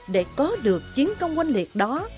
để có được chiến công oanh liệt đó